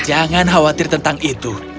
jangan khawatir tentang itu